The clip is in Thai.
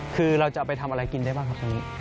คือเราจะเอาไปทำอะไรกินได้บ้างครับตรงนี้